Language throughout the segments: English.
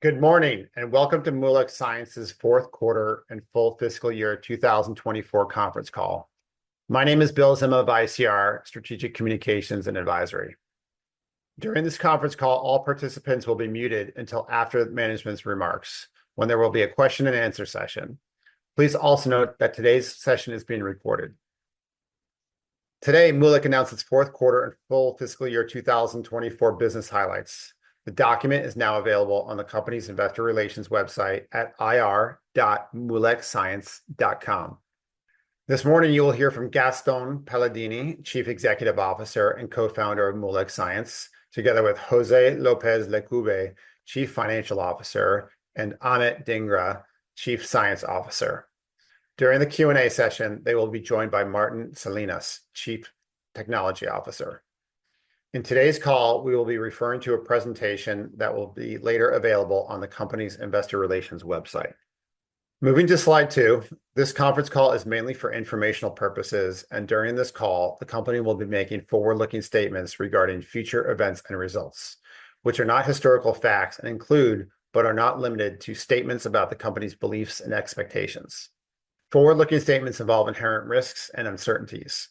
Good morning, and welcome to Moolec Science's fourth quarter and full fiscal year 2024 conference call. My name is Bill Zima of ICR Strategic Communications and Advisory. During this conference call, all participants will be muted until after the management's remarks, when there will be a question and answer session. Please also note that today's session is being recorded. Today, Moolec announced its fourth quarter and full fiscal year two thousand and 24 business highlights. The document is now available on the company's investor relations website at ir.moolecscience.com. This morning, you will hear from Gastón Paladini, Chief Executive Officer and Co-founder of Moolec Science, together with José López Lecube, Chief Financial Officer, and Amit Dhingra, Chief Science Officer. During the Q&A session, they will be joined by Martín Salinas, Chief Technology Officer. In today's call, we will be referring to a presentation that will be later available on the company's investor relations website. Moving to slide two, this conference call is mainly for informational purposes, and during this call, the company will be making forward-looking statements regarding future events and results, which are not historical facts, and include, but are not limited to, statements about the company's beliefs and expectations. Forward-looking statements involve inherent risks and uncertainties.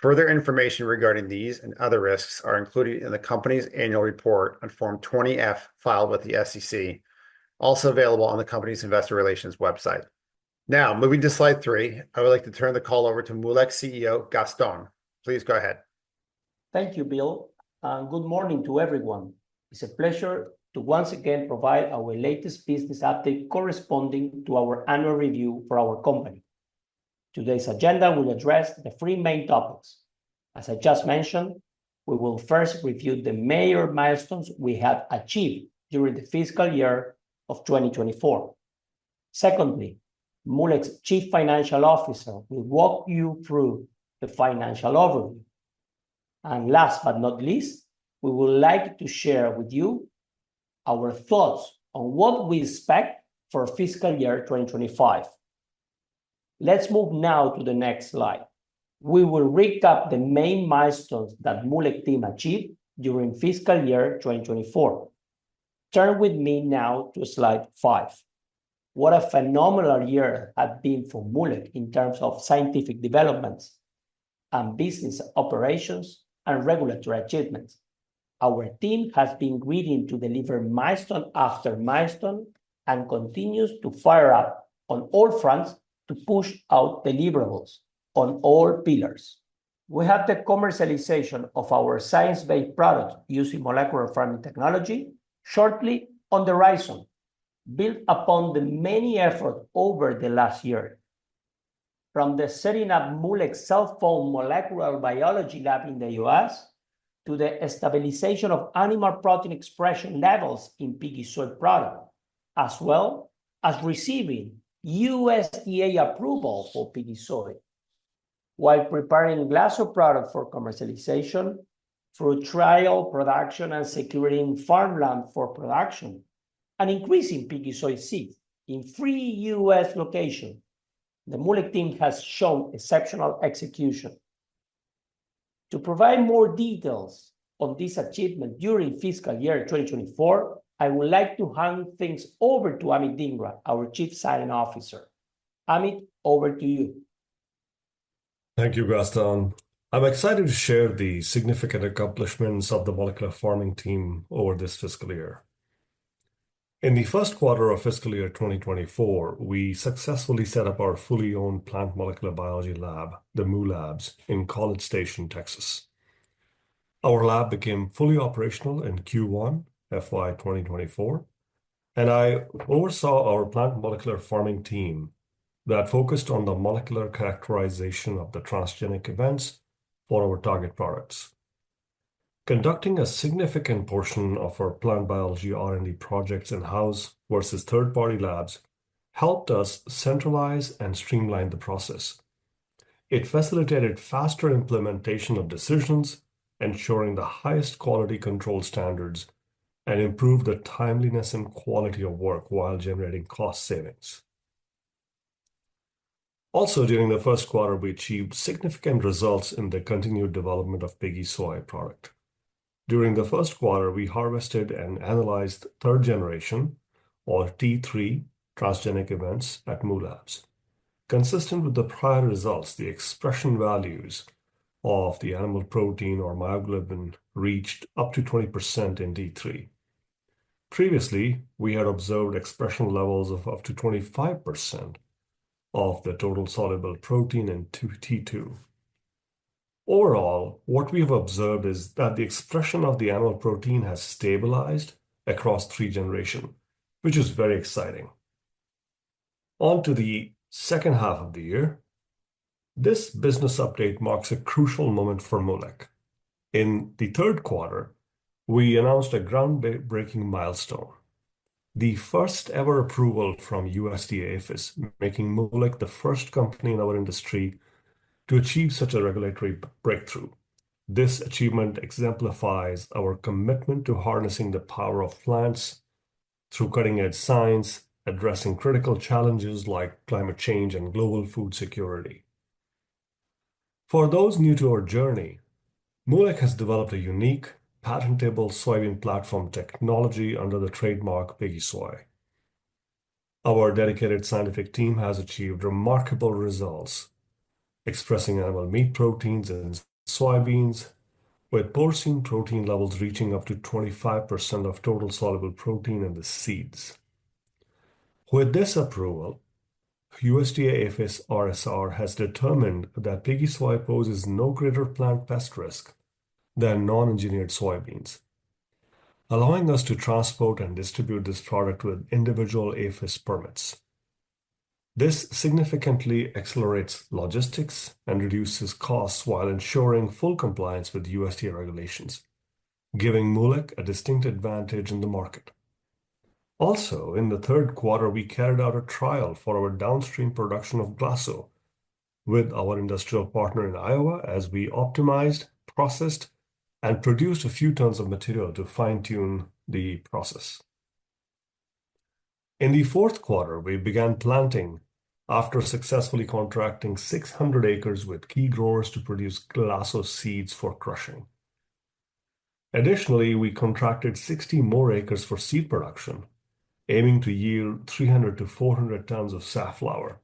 Further information regarding these and other risks are included in the company's annual report on Form 20-F, filed with the SEC, also available on the company's investor relations website. Now, moving to slide three, I would like to turn the call over to Moolec's CEO, Gastón. Please go ahead. Thank you, Bill, and good morning to everyone. It's a pleasure to once again provide our latest business update corresponding to our annual review for our company. Today's agenda will address the three main topics. As I just mentioned, we will first review the major milestones we have achieved during the fiscal year of 2024. Secondly, Moolec's Chief Financial Officer will walk you through the financial overview. And last but not least, we would like to share with you our thoughts on what we expect for fiscal year 2025. Let's move now to the next slide. We will recap the main milestones that Moolec team achieved during fiscal year 2024. Turn with me now to slide five. What a phenomenal year has been for Moolec in terms of scientific developments and business operations and regulatory achievements. Our team has been gearing to deliver milestone after milestone and continues to fire on all fronts to push out deliverables on all pillars. We have the commercialization of our science-based products using molecular farming technology shortly on the horizon, built upon the many efforts over the last year. From the setting up Moolec's College Station molecular biology lab in the U.S., to the stabilization of animal protein expression levels in PiggySooy product, as well as receiving USDA approval for PiggySooy. While preparing GLASO product for commercialization, through trial production and securing farmland for production, and planting PiggySooy seeds in three U.S. locations, the Moolec team has shown exceptional execution. To provide more details on this achievement during fiscal year 2024, I would like to hand things over to Amit Dhingra, our Chief Science Officer. Amit, over to you. Thank you, Gastón. I'm excited to share the significant accomplishments of the molecular farming team over this fiscal year. In the first quarter of fiscal year 2024, we successfully set up our fully owned plant molecular biology lab, the Moo Labs, in College Station, Texas. Our lab became fully operational in Q1, FY 2024, and I oversaw our plant molecular farming team that focused on the molecular characterization of the transgenic events for our target products. Conducting a significant portion of our plant biology R&D projects in-house versus third-party labs helped us centralize and streamline the process. It facilitated faster implementation of decisions, ensuring the highest quality control standards, and improved the timeliness and quality of work while generating cost savings. Also, during the first quarter, we achieved significant results in the continued development of PiggySooy product. During the first quarter, we harvested and analyzed third generation, or T3, transgenic events at Moo Labs. Consistent with the prior results, the expression values of the animal protein or myoglobin reached up to 20% in T3. Previously, we had observed expression levels of up to 25% of the total soluble protein in T2. Overall, what we've observed is that the expression of the animal protein has stabilized across three generation, which is very exciting. On to the second half of the year, this business update marks a crucial moment for Moolec. In the third quarter, we announced a groundbreaking milestone, the first ever approval from USDA, APHIS, making Moolec the first company in our industry to achieve such a regulatory breakthrough. This achievement exemplifies our commitment to harnessing the power of plants through cutting-edge science, addressing critical challenges like climate change and global food security.... For those new to our journey, Moolec has developed a unique patentable soybean platform technology under the trademark PiggySooy. Our dedicated scientific team has achieved remarkable results, expressing animal meat proteins in soybeans, with porcine protein levels reaching up to 25% of total soluble protein in the seeds. With this approval, USDA-APHIS RSR has determined that PiggySooy poses no greater plant pest risk than non-engineered soybeans, allowing us to transport and distribute this product with individual APHIS permits. This significantly accelerates logistics and reduces costs while ensuring full compliance with USDA regulations, giving Moolec a distinct advantage in the market. Also, in the third quarter, we carried out a trial for our downstream production of GLASO with our industrial partner in Iowa as we optimized, processed, and produced a few tons of material to fine-tune the process. In the fourth quarter, we began planting after successfully contracting 600 acres with key growers to produce GLASO seeds for crushing. Additionally, we contracted 60 more acres for seed production, aiming to yield 300-400 tons of safflower.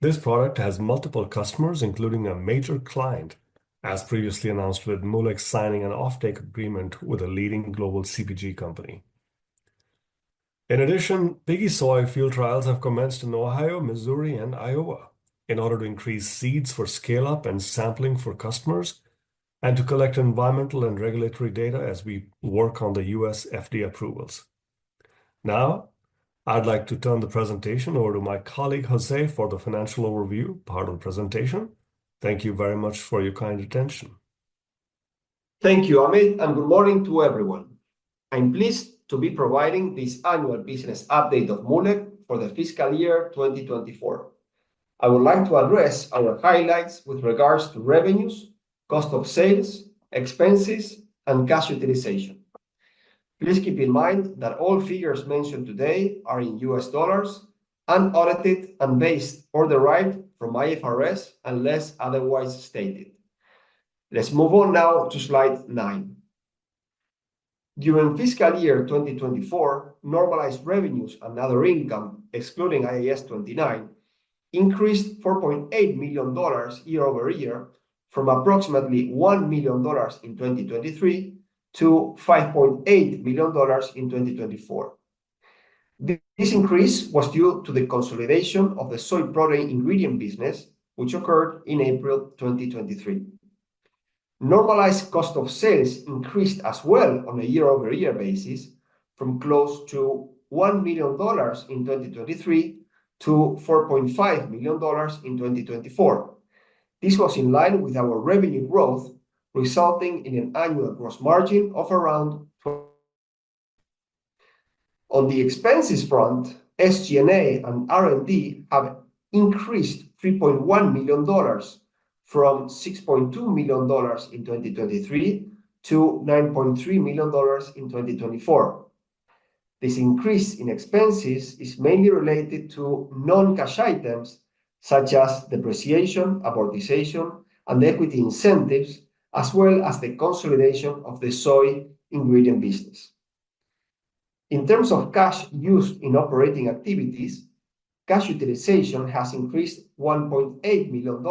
This product has multiple customers, including a major client, as previously announced, with Moolec signing an offtake agreement with a leading global CPG company. In addition, PiggySooy field trials have commenced in Ohio, Missouri, and Iowa in order to increase seeds for scale-up and sampling for customers and to collect environmental and regulatory data as we work on the U.S. FDA approvals. Now, I'd like to turn the presentation over to my colleague, José, for the financial overview part of the presentation. Thank you very much for your kind attention. Thank you, Amit, and good morning to everyone. I'm pleased to be providing this annual business update of Moolec for the fiscal year 2024. I would like to address our highlights with regards to revenues, cost of sales, expenses, and cash utilization. Please keep in mind that all figures mentioned today are in US dollars, unaudited and based or derived from IFRS, unless otherwise stated. Let's move on now to slide 9. During fiscal year 2024, normalized revenues and other income, excluding IAS 29, increased $4.8 million year-over-year from approximately $1 million in 2023 to $5.8 million in 2024. This increase was due to the consolidation of the soy protein ingredient business, which occurred in April 2023. Normalized cost of sales increased as well on a year-over-year basis from close to $1 million in 2023 to $4.5 million in 2024. This was in line with our revenue growth, resulting in an annual gross margin of around 0%. On the expenses front, SG&A and R&D have increased $3.1 million, from $6.2 million in 2023 to $9.3 million in 2024. This increase in expenses is mainly related to non-cash items such as depreciation, amortization, and equity incentives, as well as the consolidation of the soy ingredient business. In terms of cash used in operating activities, cash utilization has increased $1.8 million,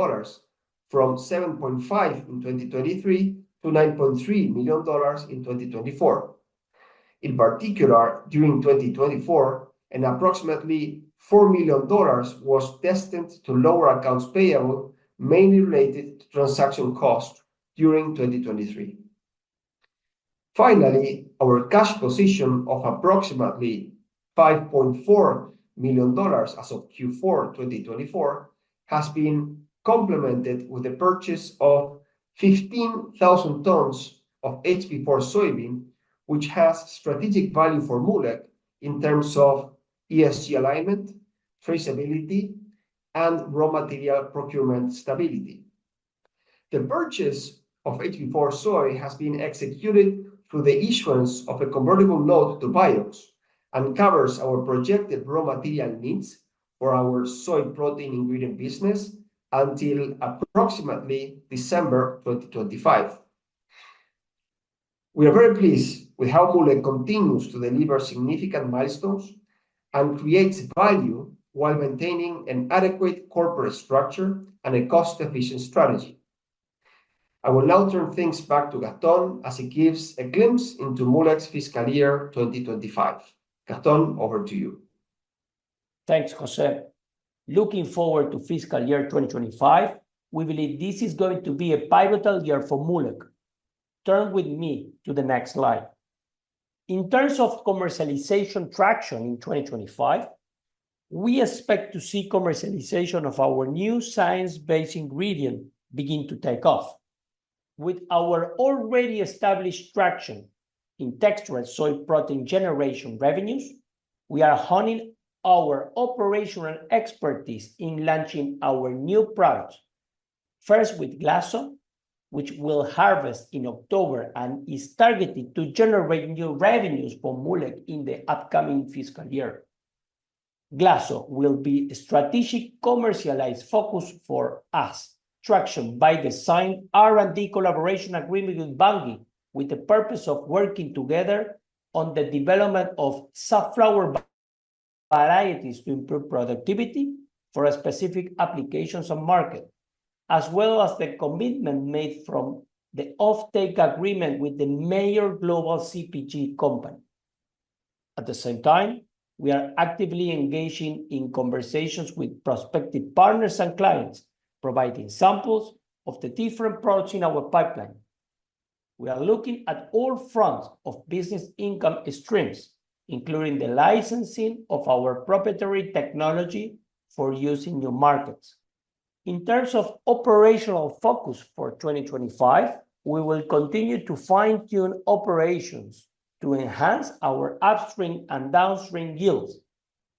from $7.5 million in 2023 to $9.3 million in 2024. In particular, during 2024, approximately $4 million was destined to lower accounts payable, mainly related to transaction costs during 2023. Finally, our cash position of approximately $5.4 million as of Q4 2024 has been complemented with the purchase of 15,000 tons of HB4 soybean, which has strategic value for Moolec in terms of ESG alignment, traceability, and raw material procurement stability. The purchase of HB4 soy has been executed through the issuance of a convertible note to Bioceres and covers our projected raw material needs for our soy protein ingredient business until approximately December 2025. We are very pleased with how Moolec continues to deliver significant milestones and creates value while maintaining an adequate corporate structure and a cost-efficient strategy. I will now turn things back to Gaston as he gives a glimpse into Moolec's fiscal year 2025. Gastón, over to you. Thanks, José. Looking forward to fiscal year 2025, we believe this is going to be a pivotal year for Moolec. Turn with me to the next slide. In terms of commercialization traction in 2025, we expect to see commercialization of our new science-based ingredient begin to take off. With our already established traction in textural soy protein generation revenues, we are honing our operational expertise in launching our new product, first with GLASO, which we'll harvest in October and is targeted to generate new revenues for Moolec in the upcoming fiscal year. GLASO will be a strategic commercialized focus for us. Traction by design R&D collaboration agreement with Bunge, with the purpose of working together on the development of safflower varieties to improve productivity for specific applications and market, as well as the commitment made from the offtake agreement with the major global CPG company. At the same time, we are actively engaging in conversations with prospective partners and clients, providing samples of the different products in our pipeline. We are looking at all fronts of business income streams, including the licensing of our proprietary technology for use in new markets. In terms of operational focus for 2025, we will continue to fine-tune operations to enhance our upstream and downstream yields,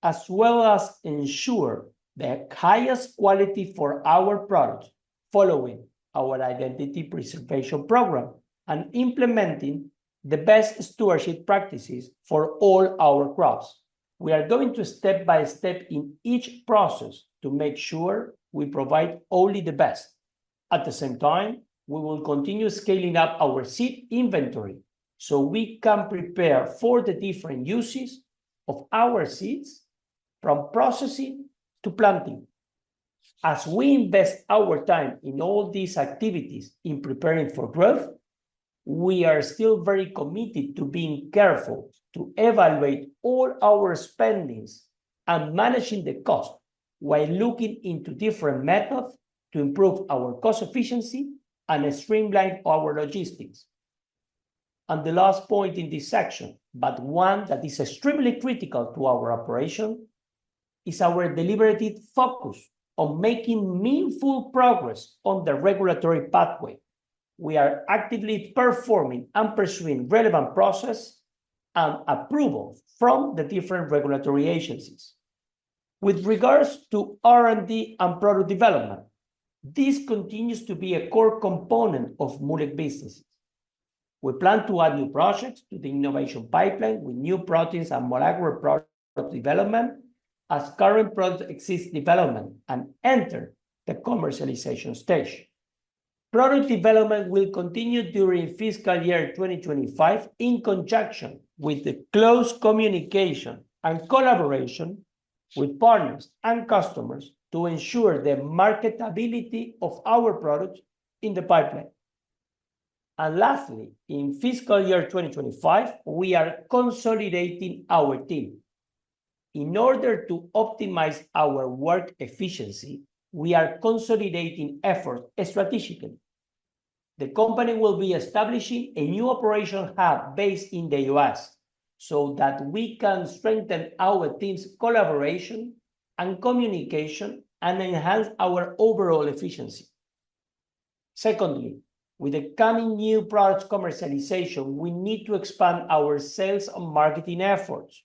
as well as ensure the highest quality for our products, following our identity preservation program and implementing the best stewardship practices for all our crops. We are going to step by step in each process to make sure we provide only the best. At the same time, we will continue scaling up our seed inventory so we can prepare for the different uses of our seeds, from processing to planting. As we invest our time in all these activities in preparing for growth, we are still very committed to being careful to evaluate all our spending and managing the costs, while looking into different methods to improve our cost efficiency and streamline our logistics. The last point in this section, but one that is extremely critical to our operation, is our deliberate focus on making meaningful progress on the regulatory pathway. We are actively performing and pursuing relevant processes and approvals from the different regulatory agencies. With regards to R&D and product development, this continues to be a core component of Moolec businesses. We plan to add new projects to the innovation pipeline, with new proteins and more agro product development, as current products exit development and enter the commercialization stage. Product development will continue during fiscal year 2025, in conjunction with the close communication and collaboration with partners and customers to ensure the marketability of our products in the pipeline. And lastly, in fiscal year 2025, we are consolidating our team. In order to optimize our work efficiency, we are consolidating efforts strategically. The company will be establishing a new operational hub based in the U.S., so that we can strengthen our team's collaboration and communication and enhance our overall efficiency. Secondly, with the coming new products commercialization, we need to expand our sales and marketing efforts.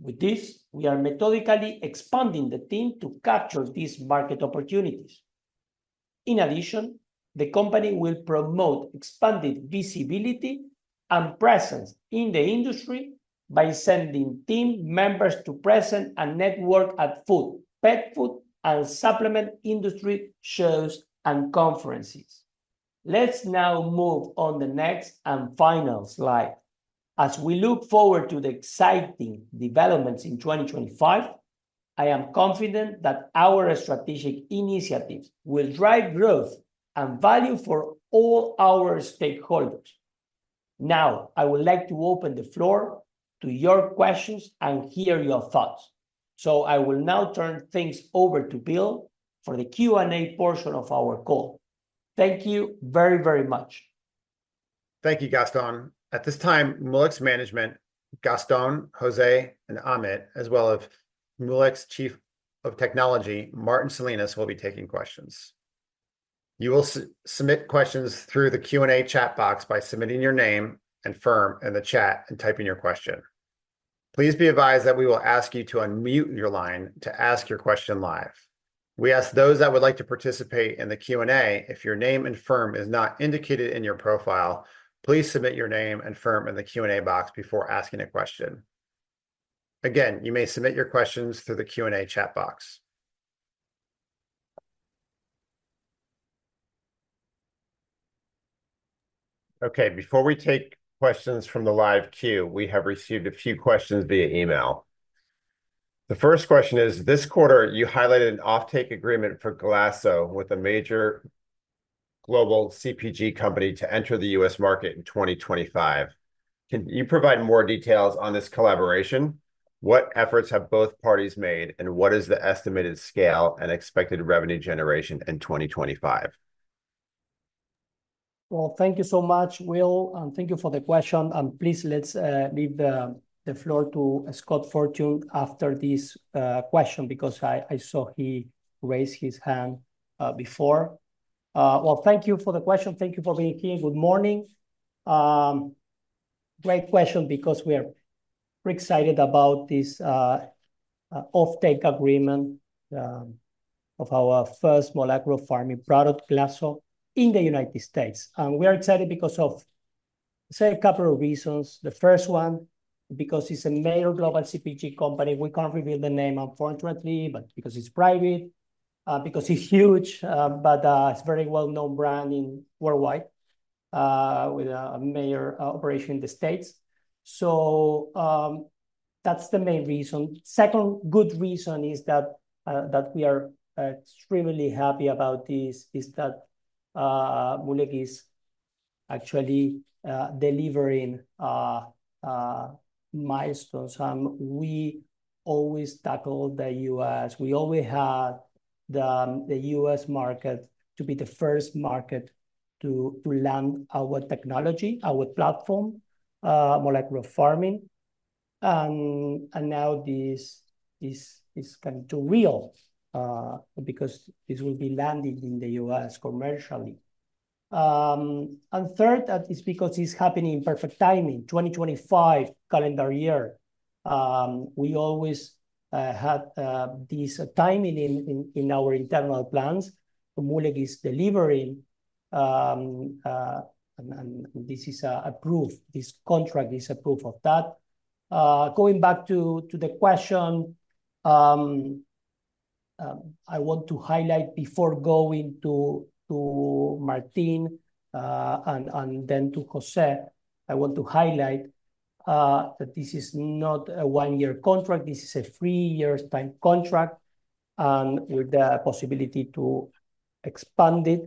With this, we are methodically expanding the team to capture these market opportunities. In addition, the company will promote expanded visibility and presence in the industry by sending team members to present and network at food, pet food, and supplement industry shows and conferences. Let's now move on to the next and final slide. As we look forward to the exciting developments in 2025, I am confident that our strategic initiatives will drive growth and value for all our stakeholders. Now, I would like to open the floor to your questions and hear your thoughts. So I will now turn things over to Bill for the Q&A portion of our call. Thank you very, very much. Thank you, Gastón. At this time, Moolec's management, Gastón, José, and Amit, as well as Moolec's Chief Technology Officer, Martín Salinas, will be taking questions. You will submit questions through the Q&A chat box by submitting your name and firm in the chat and typing your question. Please be advised that we will ask you to unmute your line to ask your question live. We ask those that would like to participate in the Q&A, if your name and firm is not indicated in your profile, please submit your name and firm in the Q&A box before asking a question. Again, you may submit your questions through the Q&A chat box. Okay, before we take questions from the live queue, we have received a few questions via email. The first question is: "This quarter, you highlighted an offtake agreement for GLASO with a major global CPG company to enter the US market in 2025. Can you provide more details on this collaboration? What efforts have both parties made, and what is the estimated scale and expected revenue generation in 2025? Thank you so much, Bill, and thank you for the question. Please, let's leave the floor to Scott Fortune after this question, because I saw he raised his hand before. Thank you for the question. Thank you for being here. Good morning. Great question, because we are pretty excited about this offtake agreement of our first molecular farming product, GLASO, in the United States, and we are excited for a couple of reasons. The first one, because it's a major global CPG company, we can't reveal the name unfortunately, but because it's private, because it's huge, but it's very well-known brand worldwide, with a major operation in the States. So, that's the main reason. Second good reason is that we are extremely happy about this, is that Moolec is actually delivering milestones. We always tackle the US. We always had the US market to be the first market to land our technology, our platform, more like molecular farming. And now this is coming to reality, because this will be landed in the US commercially. And third, that is because it's happening in perfect timing, 2025 calendar year. We always had this timing in our internal plans. Moolec is delivering, and this is a proof, this contract is a proof of that. Going back to the question, I want to highlight before going to Martín, and then to José, I want to highlight that this is not a one-year contract, this is a three years time contract, and with the possibility to expand it.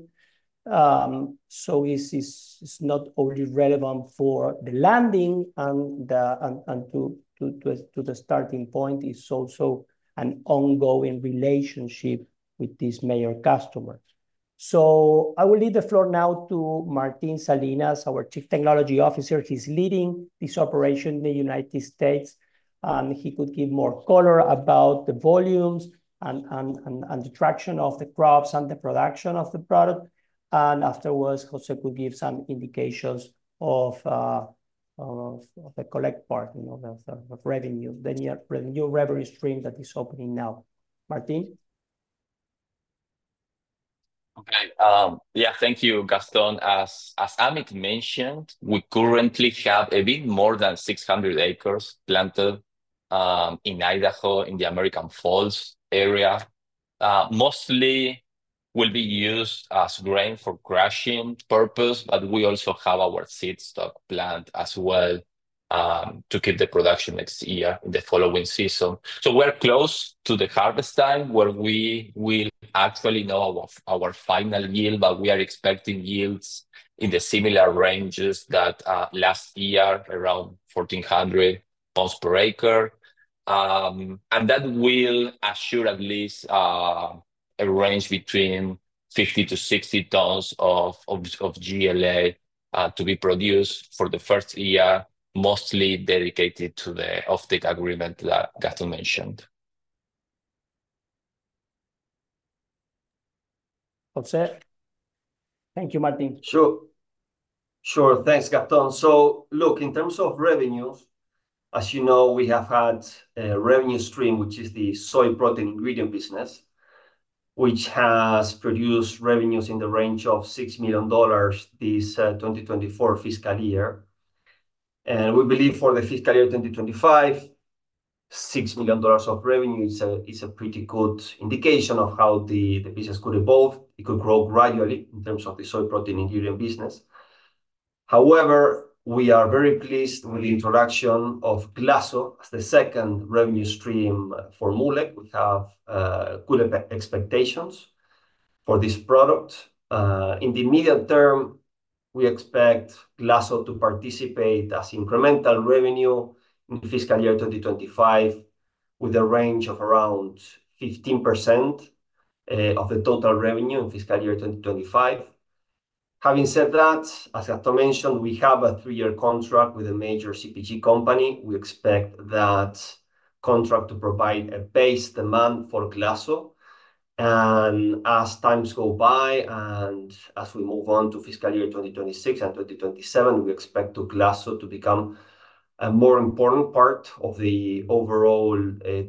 So this is not only relevant for the landing and to the starting point, it's also an ongoing relationship with these major customers. So I will leave the floor now to Martín Salinas, our Chief Technology Officer. He's leading this operation in the United States, and he could give more color about the volumes and the traction of the crops and the production of the product. Afterwards, José could give some indications of the collect part, you know, of revenue, the new revenue stream that is opening now. Martín? Okay. Yeah, thank you, Gastón. As Amit mentioned, we currently have a bit more than 600 acres planted in American Falls, Idaho. Mostly will be used as grain for crushing purpose, but we also have our seed stock plant as well to keep the production next year, in the following season. We're close to the harvest time, where we will actually know of our final yield, but we are expecting yields in the similar ranges that last year, around 1,400 tons per acre, and that will assure at least a range between 50-60 tons of GLA to be produced for the first year, mostly dedicated to the offtake agreement that Gastón mentioned. José? Thank you, Martín. Sure. Sure. Thanks, Gastón. So look, in terms of revenues, as you know, we have had a revenue stream, which is the soy protein ingredient business, which has produced revenues in the range of $6 million this 2024 fiscal year. And we believe for the fiscal year 2025, $6 million of revenue is a pretty good indication of how the business could evolve. It could grow gradually in terms of the soy protein ingredient business. However, we are very pleased with the introduction of GLASO as the second revenue stream for Moolec. We have good expectations for this product. In the medium term, we expect GLASO to participate as incremental revenue in fiscal year 2025, with a range of around 15% of the total revenue in fiscal year 2025. Having said that, as Gastón mentioned, we have a three-year contract with a major CPG company. We expect that contract to provide a base demand for GLASO. And as times go by, and as we move on to fiscal year 2026 and 2027, we expect the GLASO to become a more important part of the overall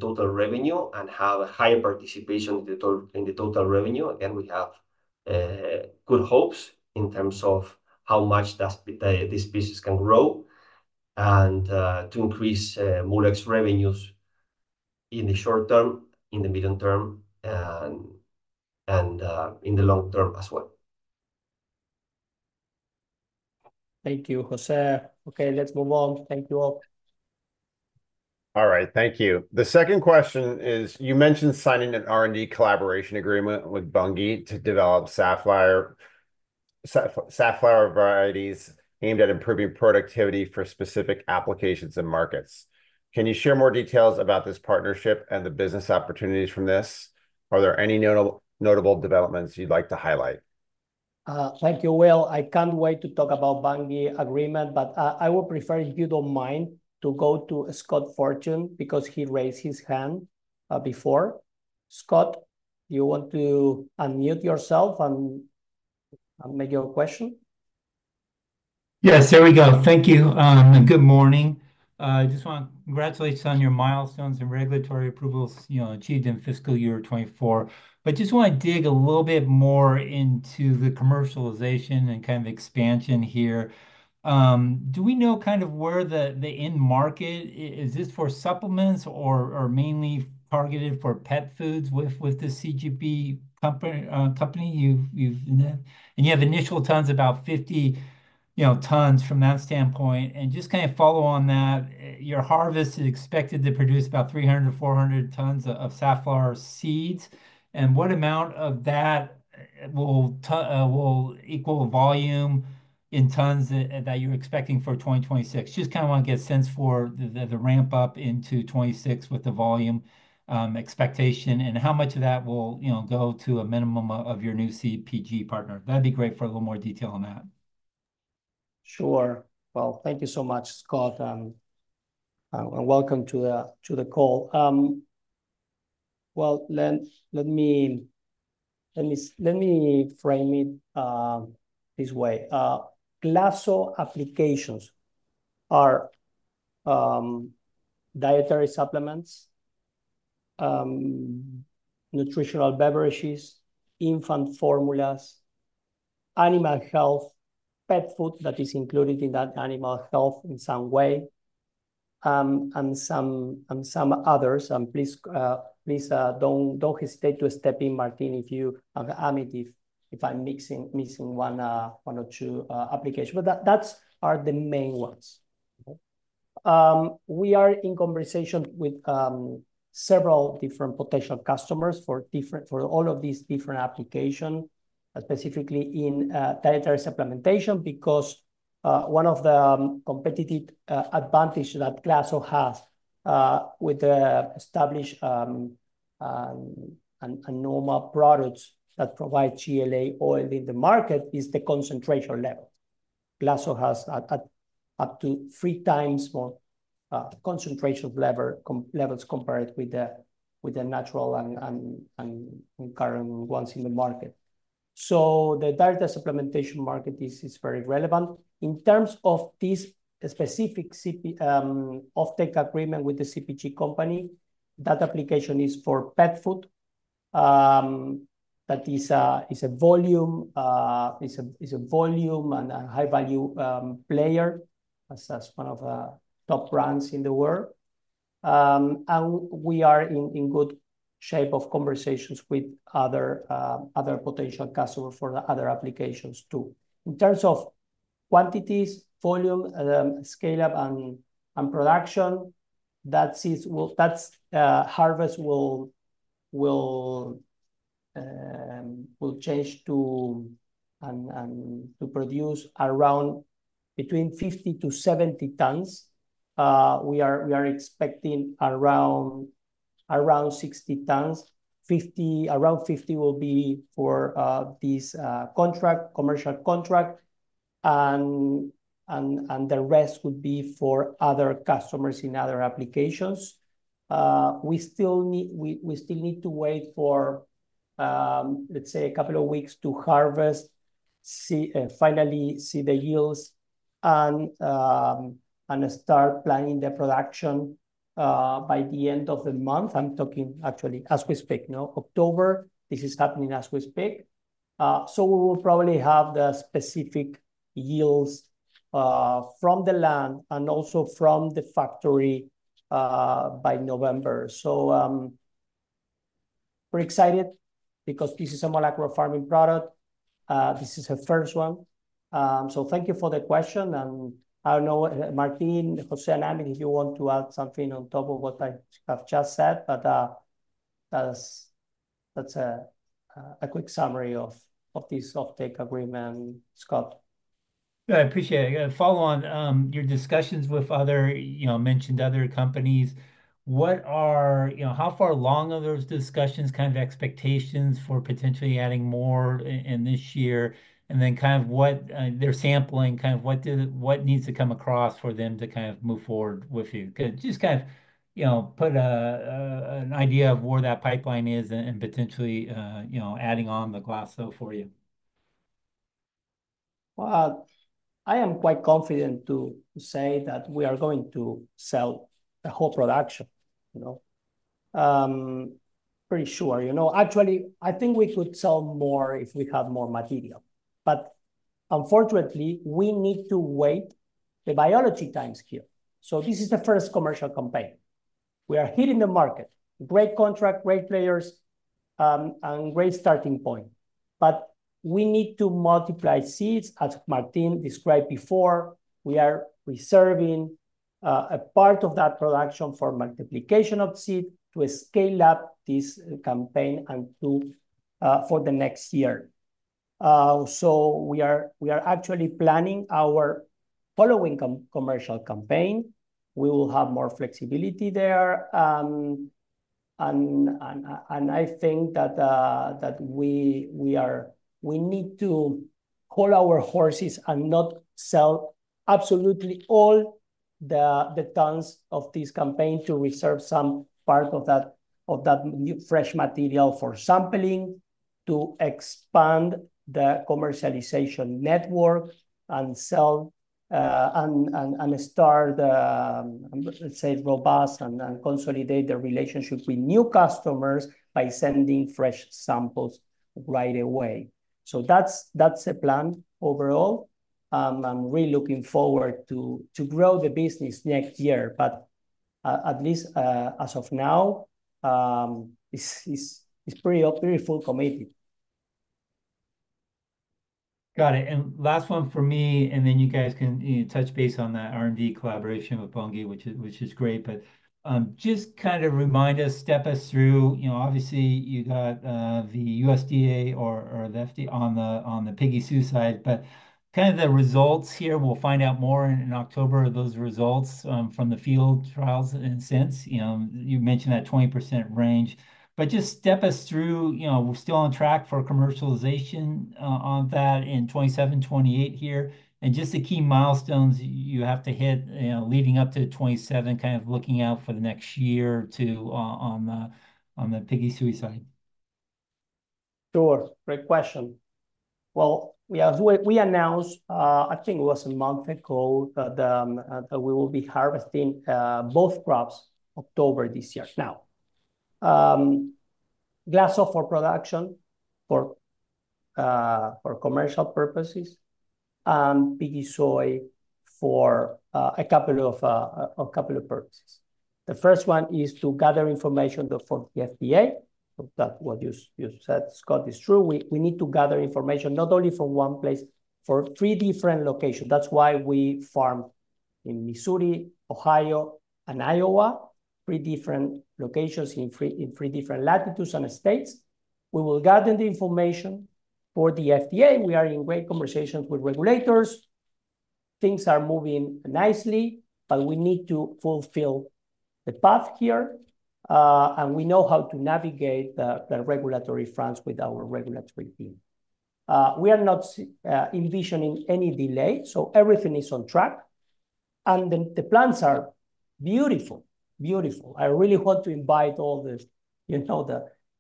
total revenue and have a higher participation in the total revenue. Again, we have good hopes in terms of how much this business can grow and to increase Moolec's revenues in the short term, in the medium term, and in the long term as well. Thank you, José. Okay, let's move on. Thank you all. All right, thank you. The second question is, you mentioned signing an R&D collaboration agreement with Bunge to develop safflower varieties aimed at improving productivity for specific applications and markets. Can you share more details about this partnership and the business opportunities from this? Are there any notable developments you'd like to highlight? Thank you, Bill. I can't wait to talk about Bunge agreement, but I would prefer, if you don't mind, to go to Scott Fortune, because he raised his hand before. Scott, do you want to unmute yourself and make your question?... Yes, there we go. Thank you, and good morning. I just want to congratulate you on your milestones and regulatory approvals, you know, achieved in fiscal year 2024. But just want to dig a little bit more into the commercialization and kind of expansion here. Do we know kind of where the, the end market? Is this for supplements or, or mainly targeted for pet foods with, with the CPG company, company you've, you've... And you have initial 50 tons, you know, tons from that standpoint. And just kind of follow on that, your harvest is expected to produce about 300-400 tons of safflower seeds. And what amount of that will equal the volume in tons that, that you're expecting for 2026? Just kind of want to get a sense for the ramp up into 2026 with the volume expectation, and how much of that will, you know, go to a minimum of your new CPG partner. That'd be great for a little more detail on that. Sure. Well, thank you so much, Scott, and welcome to the call. Let me frame it this way. GLASO applications are dietary supplements, nutritional beverages, infant formulas, animal health, pet food that is included in that animal health in some way, and some others. Please don't hesitate to step in, Martín and Amit, if I'm missing one or two applications, but those are the main ones. We are in conversation with several different potential customers for all of these different application, specifically in dietary supplementation, because one of the competitive advantage that GLASO has with the established and normal products that provide GLA oil in the market is the concentration level. GLASO has up to three times more concentration levels compared with the natural and current ones in the market. So the dietary supplementation market is very relevant. In terms of this specific CPG offtake agreement with the CPG company, that application is for pet food. That is a volume and a high value player as one of the top brands in the world. We are in good shape of conversations with other potential customers for the other applications too. In terms of quantities, volume, scale-up and production, that is, well, that harvest will change to and to produce around 50-70 tons. We are expecting around 60 tons. 50, around 50 will be for this commercial contract, and the rest would be for other customers in other applications. We still need to wait for, let's say, a couple of weeks to harvest, see finally the yields and start planning the production by the end of the month. I'm talking actually as we speak now, October, this is happening as we speak. So we will probably have the specific yields from the land and also from the factory by November. So, we're excited because this is a molecular farming product. This is the first one. So thank you for the question, and I don't know, Martín, José and Amit, if you want to add something on top of what I have just said, but that's a quick summary of this offtake agreement, Scott. I appreciate it. Follow on your discussions with other, you know, mentioned other companies. What are, you know, how far along are those discussions, kind of expectations for potentially adding more in this year? And then kind of what they're sampling, kind of what needs to come across for them to kind of move forward with you? Just kind of, you know, put an idea of where that pipeline is and potentially, you know, adding on the GLASO for you. I am quite confident to say that we are going to sell the whole production, you know. Pretty sure, you know. Actually, I think we could sell more if we have more material, but unfortunately, we need to wait. The biology time is here. This is the first commercial campaign. We are hitting the market. Great contract, great players, and great starting point, but we need to multiply seeds. As Martín described before, we are reserving a part of that production for multiplication of seed to scale up this campaign and to for the next year. We are actually planning our following commercial campaign. We will have more flexibility there, and I think that we are. We need to hold our horses and not sell absolutely all the tons of this campaign to reserve some part of that new, fresh material for sampling... to expand the commercialization network and sell and start, let's say, robust and consolidate the relationship with new customers by sending fresh samples right away. So that's the plan overall. I'm really looking forward to grow the business next year. But at least as of now, it's pretty fully committed. Got it. And last one for me, and then you guys can, you know, touch base on that R&D collaboration with Bunge, which is great. But just kind of remind us, step us through, you know, obviously, you got the USDA or the FDA on the PiggySooy side, but kind of the results here, we'll find out more in October, those results from the field trials and since. You know, you mentioned that 20% range. But just step us through, you know, we're still on track for commercialization on that in 2027, 2028 here, and just the key milestones you have to hit, you know, leading up to 2027, kind of looking out for the next year or two on the PiggySooy side. Sure. Great question. Well, we have- we, we announced, I think it was a month ago, that, we will be harvesting, both crops October this year. Now, GLASO for production for, for commercial purposes, and PiggySooy for, a couple of, a couple of purposes. The first one is to gather information for the FDA. That what you said, Scott, is true. We, we need to gather information not only from one place, for three different locations. That's why we farm in Missouri, Ohio, and Iowa. Three different locations in three different latitudes and states. We will gather the information for the FDA, we are in great conversations with regulators. Things are moving nicely, but we need to fulfill the path here, and we know how to navigate the regulatory fronts with our regulatory team. We are not envisioning any delay, so everything is on track, and the plants are beautiful, beautiful. I really want to invite all the, you know,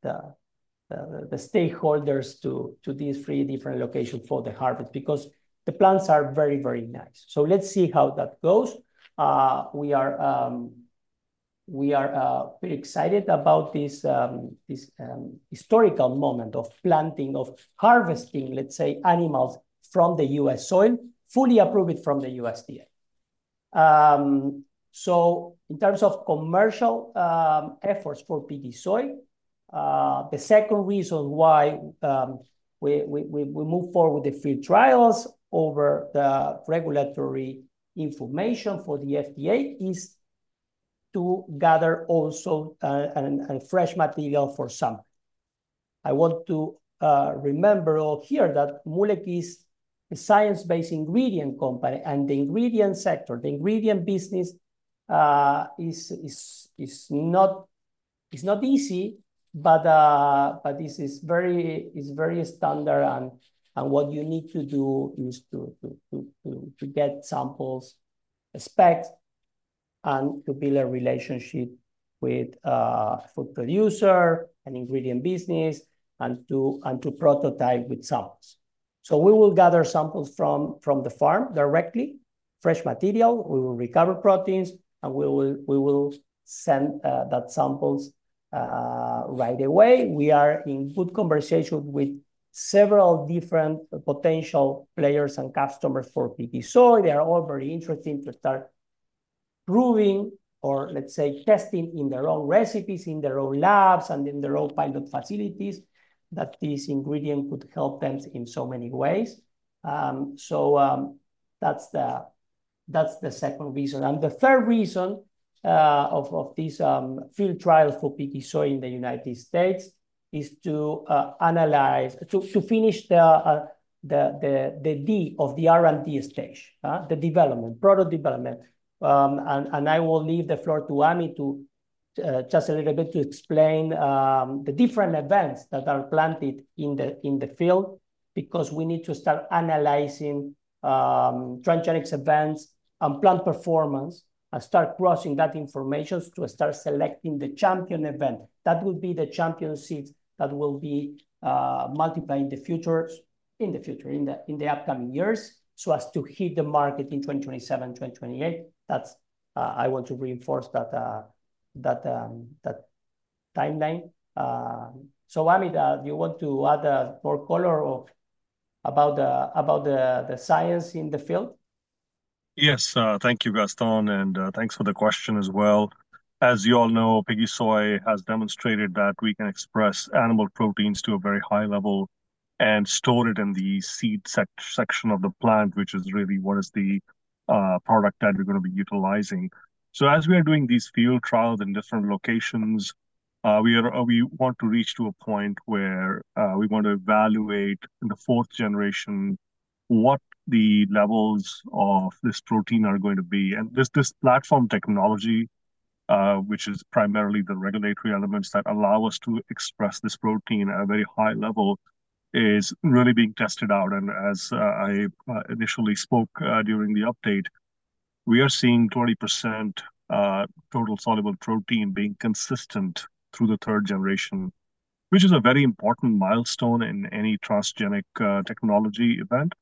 the stakeholders to these three different locations for the harvest because the plants are very, very nice. So let's see how that goes. We are pretty excited about this historical moment of planting, of harvesting, let's say, animals from the US soil, fully approved from the USDA. So in terms of commercial efforts for PiggySooy, the second reason why we move forward with the field trials over the regulatory information for the FDA is to gather also and fresh material for some. I want to remember all here that Moolec is a science-based ingredient company, and the ingredient sector, the ingredient business, is not easy, but this is very standard and what you need to do is to get samples, specs, and to build a relationship with food producer and ingredient business, and to prototype with samples. So we will gather samples from the farm directly, fresh material. We will recover proteins, and we will send those samples right away. We are in good conversation with several different potential players and customers for PiggySooy. They are all very interested to start brewing or, let's say, testing in their own recipes, in their own labs, and in their own pilot facilities, that this ingredient could help them in so many ways. So, that's the second reason. The third reason of these field trials for PiggySooy in the United States is to analyze, to finish the D of the R&D stage, the development, product development. I will leave the floor to Amit to just a little bit to explain the different events that are planted in the field, because we need to start analyzing transgenic events and plant performance, and start crossing that information to start selecting the champion event. That would be the champion seed that will be multiplied in the future in the upcoming years, so as to hit the market in 2027, 2028. That's. I want to reinforce that timeline, so Amit, do you want to add more color about the science in the field? Yes. Thank you, Gastón, and thanks for the question as well. As you all know, PiggySooy has demonstrated that we can express animal proteins to a very high level and store it in the seed section of the plant, which is really what is the product that we're gonna be utilizing. So as we are doing these field trials in different locations, we are, we want to reach to a point where we want to evaluate in the fourth generation what the levels of this protein are going to be. And this platform technology, which is primarily the regulatory elements that allow us to express this protein at a very high level, is really being tested out. And as I initially spoke during the update-... We are seeing 20% total soluble protein being consistent through the third generation, which is a very important milestone in any transgenic technology event.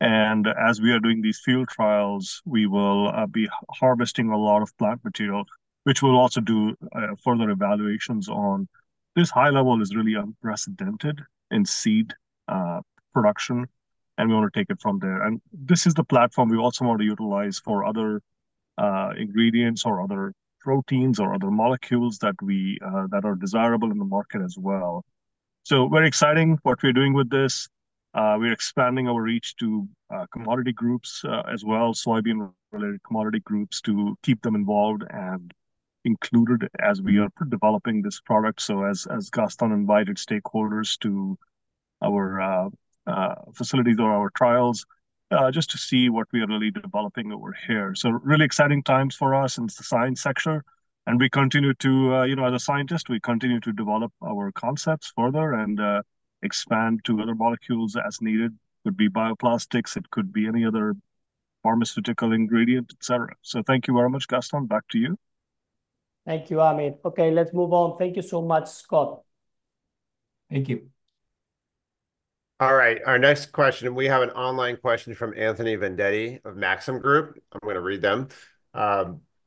As we are doing these field trials, we will be harvesting a lot of plant material, which we'll also do further evaluations on. This high level is really unprecedented in seed production, and we want to take it from there. This is the platform we also want to utilize for other ingredients or other proteins or other molecules that are desirable in the market as well. Very exciting what we're doing with this. We're expanding our reach to commodity groups as well, soybean-related commodity groups, to keep them involved and included as we are developing this product. So as Gaston invited stakeholders to our facilities or our trials, just to see what we are really developing over here. Really exciting times for us in the science sector, and we continue to, you know, as a scientist, we continue to develop our concepts further and expand to other molecules as needed. Could be bioplastics, it could be any other pharmaceutical ingredient, et cetera. So thank you very much, Gaston. Back to you. Thank you, Amit. Okay, let's move on. Thank you so much, Scott. Thank you. All right, our next question, we have an online question from Anthony Vendetti of Maxim Group. I'm gonna read them.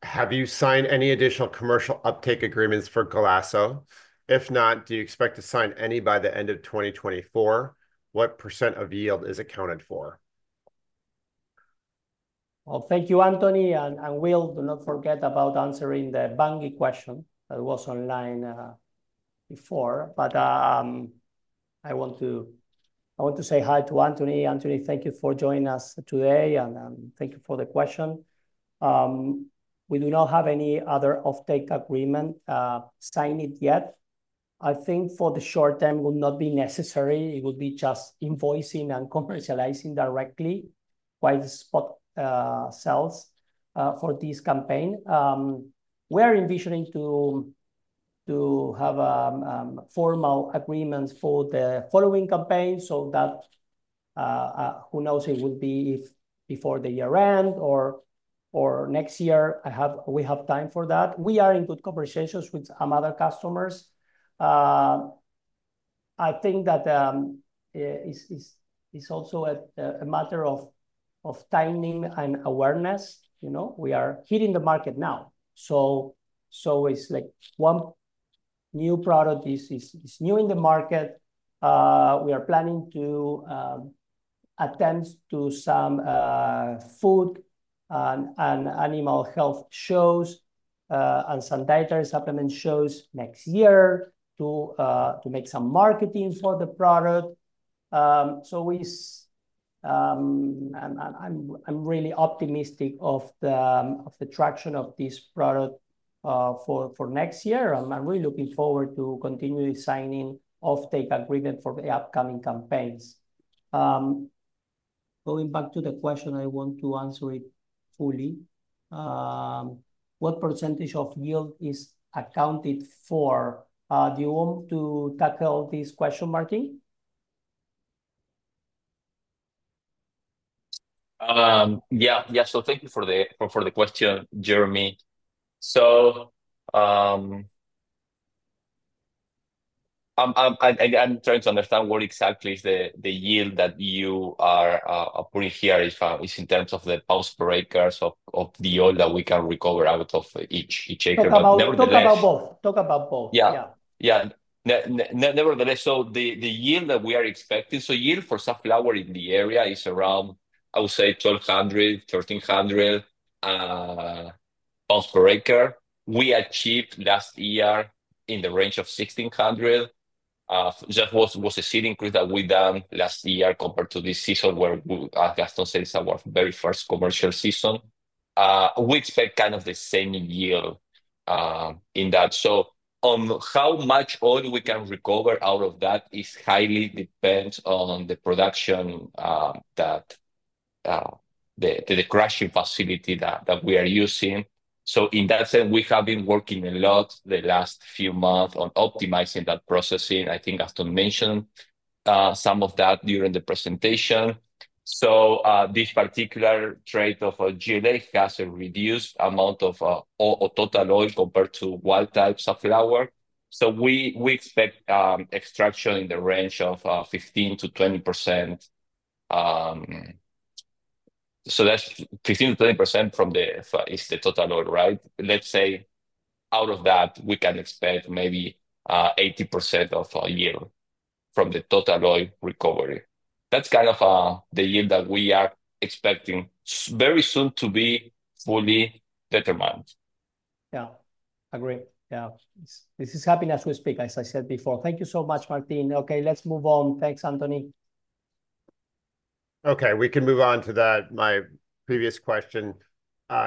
"Have you signed any additional commercial uptake agreements for GLASO? If not, do you expect to sign any by the end of 2024? What % of yield is accounted for? Thank you, Anthony, and Will. Do not forget about answering the Bunge question that was online before. But I want to say hi to Anthony. Anthony, thank you for joining us today, and thank you for the question. We do not have any other offtake agreement signed yet. I think for the short term would not be necessary. It would be just invoicing and commercializing directly while the spot sells for this campaign. We're envisioning to have formal agreements for the following campaign so that who knows, it will be if before the year end or next year. We have time for that. We are in good conversations with some other customers. I think that it's also a matter of timing and awareness. You know, we are hitting the market now. So it's like one new product is new in the market. We are planning to attend to some food and animal health shows and some dietary supplement shows next year to make some marketing for the product. So I'm really optimistic of the traction of this product for next year. I'm really looking forward to continuing signing offtake agreement for the upcoming campaigns. Going back to the question, I want to answer it fully. What percentage of yield is accounted for? Do you want to tackle this question, Martín? Yeah, yeah. So thank you for the question, Jeremy. So, I'm trying to understand what exactly is the yield that you are putting here is in terms of the pounds per acre of the oil that we can recover out of each acre? But nevertheless- Talk about both. Talk about both. Yeah. Yeah. Nevertheless, the yield that we are expecting, so yield for safflower in the area is around, I would say, 1,200-1,300 pounds per acre. We achieved last year in the range of 1,600. That was a seed increase that we done last year compared to this season, where Gastón said it's our very first commercial season. We expect kind of the same yield in that. So on how much oil we can recover out of that is highly depends on the production that the crushing facility that we are using. So in that sense, we have been working a lot the last few months on optimizing that processing. I think Gastón mentioned some of that during the presentation. This particular genetic trait has a reduced amount of total oil compared to wild type safflower. We expect extraction in the range of 15%-20%. That's 15%-20% from the seed is the total oil, right? Let's say, out of that, we can expect maybe 80% of our yield from the total oil recovery. That's kind of the yield that we are expecting very soon to be fully determined. Yeah, agree. Yeah. This is happening as we speak, as I said before. Thank you so much, Martín. Okay, let's move on. Thanks, Anthony. Okay, we can move on to that, my previous question.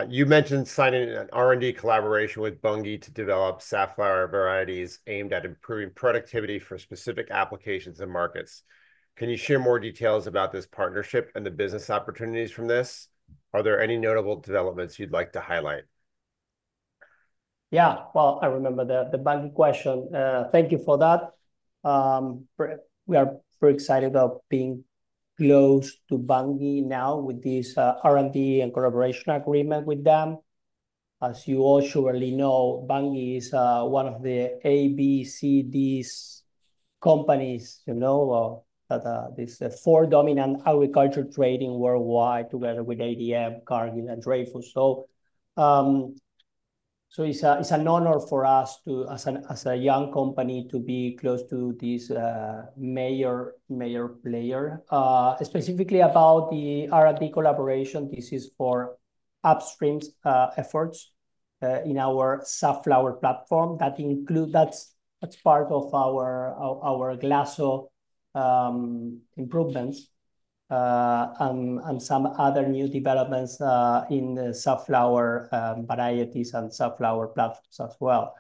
You mentioned signing an R&D collaboration with Bunge to develop safflower varieties aimed at improving productivity for specific applications and markets. Can you share more details about this partnership and the business opportunities from this? Are there any notable developments you'd like to highlight?... Yeah, well, I remember the Bunge question. Thank you for that. We're very excited about being close to Bunge now with this R&D and collaboration agreement with them. As you all surely know, Bunge is one of the ABCDs companies, you know, that these four dominant agriculture trading worldwide, together with ADM, Cargill, and Dreyfus. So it's an honor for us, as a young company, to be close to this major player. Specifically about the R&D collaboration, this is for upstream efforts in our safflower platform. That's part of our GLASO improvements and some other new developments in the safflower varieties and safflower platforms as well.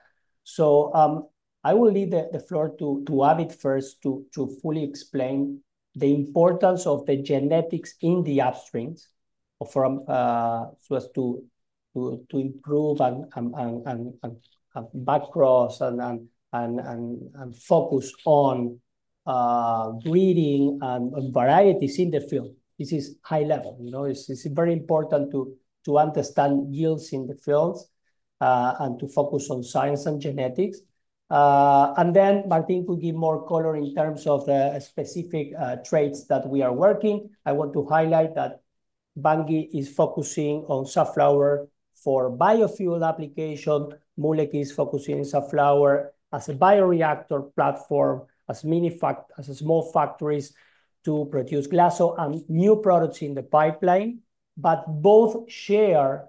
I will leave the floor to Amit first to fully explain the importance of the genetics in the upstreams from so as to improve and back cross and focus on breeding varieties in the field. This is high level, you know. It's very important to understand yields in the fields and to focus on science and genetics. Then Martín could give more color in terms of the specific traits that we are working. I want to highlight that Bunge is focusing on safflower for biofuel application. Moolec is focusing on safflower as a bioreactor platform, as small factories to produce GLASO and new products in the pipeline, but both share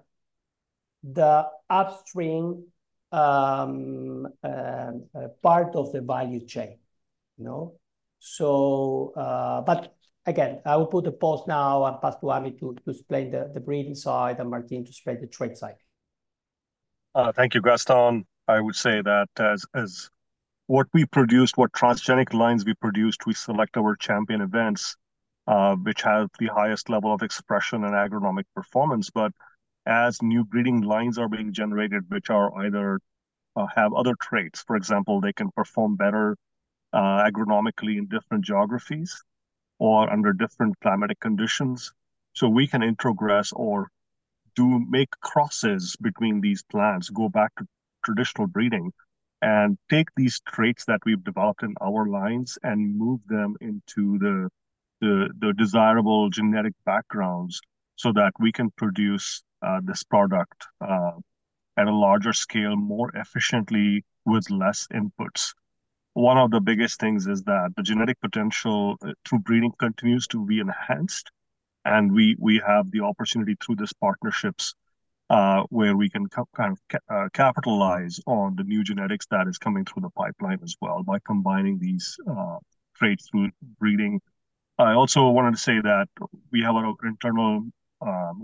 the upstream part of the value chain, you know. So, but again, I will put a pause now and pass to Amit to explain the breeding side and Martín to explain the trait side. Thank you, Gastón. I would say that as what we produced, what transgenic lines we produced, we select our champion events, which have the highest level of expression and agronomic performance. But as new breeding lines are being generated, which are either have other traits, for example, they can perform better agronomically in different geographies or under different climatic conditions. So we can introgress or do make crosses between these plants, go back to traditional breeding, and take these traits that we've developed in our lines and move them into the desirable genetic backgrounds, so that we can produce this product at a larger scale, more efficiently with less inputs. One of the biggest things is that the genetic potential through breeding continues to be enhanced, and we have the opportunity through these partnerships where we can capitalize on the new genetics that is coming through the pipeline as well by combining these traits through breeding. I also wanted to say that we have our own internal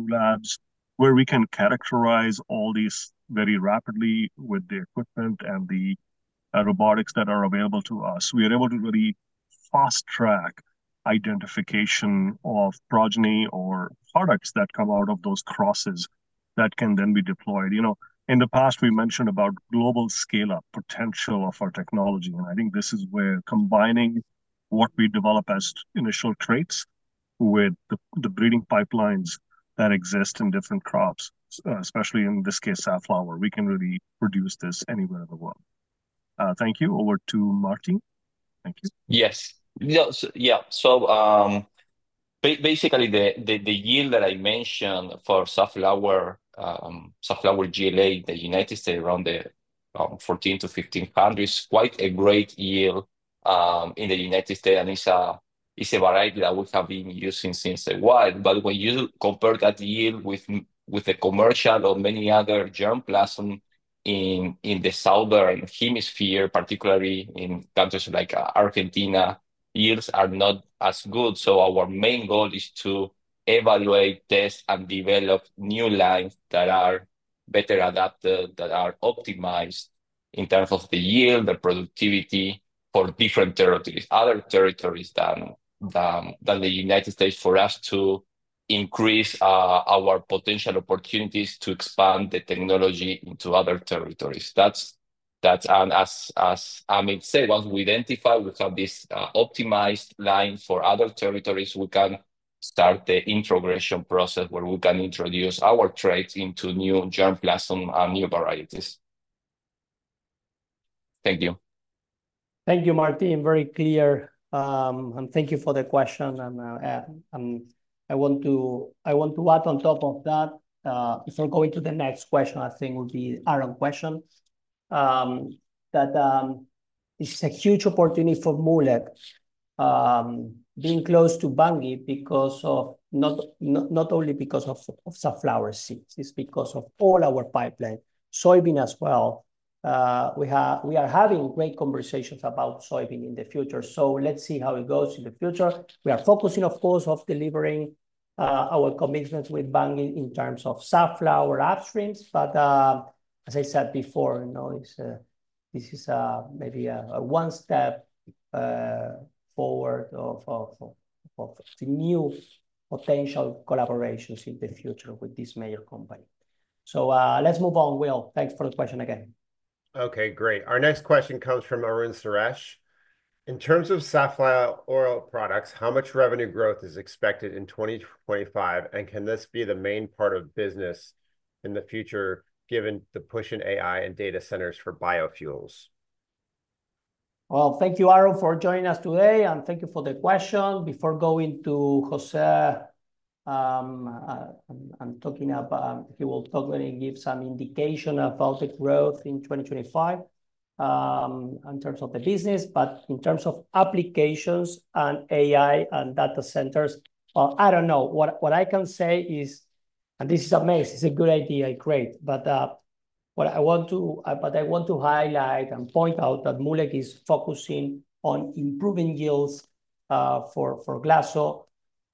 labs, where we can characterize all these very rapidly with the equipment and the robotics that are available to us. We are able to really fast-track identification of progeny or products that come out of those crosses that can then be deployed. You know, in the past, we mentioned about global scale-up potential of our technology, and I think this is where combining what we develop as initial traits with the breeding pipelines that exist in different crops, especially in this case, safflower, we can really produce this anywhere in the world. Thank you. Over to Martín. Thank you. Yes. So, basically, the yield that I mentioned for safflower GLA in the United States, around 1,400-1,500 is quite a great yield in the United States, and it's a variety that we have been using for a while. But when you compare that yield with the commercial or many other germplasm in the southern hemisphere, particularly in countries like Argentina, yields are not as good. So our main goal is to evaluate, test, and develop new lines that are better adapted, that are optimized in terms of the yield, the productivity for different territories, other territories than the United States, for us to increase our potential opportunities to expand the technology into other territories. That's... As Amit said, once we identify, we have this optimized line for other territories, we can start the integration process where we can introduce our traits into new germplasm and new varieties. Thank you. Thank you, Martin. Very clear. And thank you for the question. And, I want to add on top of that, before going to the next question, I think would be Aaron's question, that this is a huge opportunity for Moolec, being close to Bunge because not only because of safflower seeds, it's because of all our pipeline, soybean as well. We are having great conversations about soybean in the future, so let's see how it goes in the future. We are focusing, of course, on delivering our commitments with Bunge in terms of safflower upstreams, but, as I said before, you know, it's this is maybe a one step forward of the new potential collaborations in the future with this major company. So, let's move on, Bill. Thanks for the question again. Okay, great. Our next question comes from Arun Suresh: "In terms of safflower oil products, how much revenue growth is expected in 2025, and can this be the main part of business in the future, given the push in AI and data centers for biofuels? Thank you, Arun, for joining us today, and thank you for the question. Before going to José, he will talk and give some indication about the growth in 2025, in terms of the business. But in terms of applications and AI and data centers, I don't know. What I can say is, and this is amazing, it's a good idea, great, but what I want to highlight and point out that Moolec is focusing on improving yields for GLASO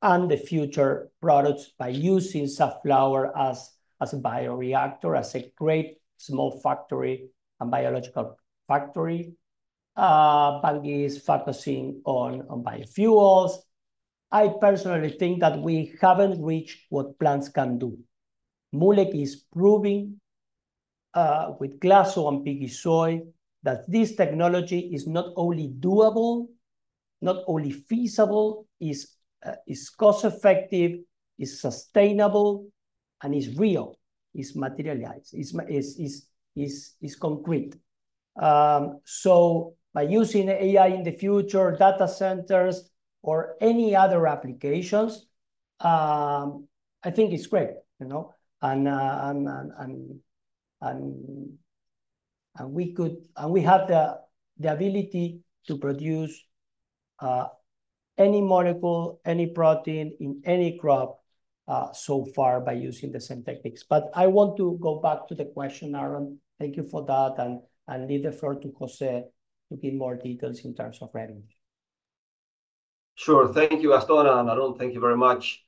and the future products by using safflower as a bioreactor, as a great small factory and biological factory. Bunge is focusing on biofuels. I personally think that we haven't reached what plants can do. Moolec is proving with GLASO and PiggySooy that this technology is not only doable, not only feasible, is cost-effective, is sustainable, and is real, is materialized, is concrete, so by using AI in the future, data centers or any other applications, I think it's great, you know? We have the ability to produce any molecule, any protein in any crop so far by using the same techniques. But I want to go back to the question, Arun. Thank you for that, and leave the floor to José to give more details in terms of revenue. Sure. Thank you, Gastón and Arun, thank you very much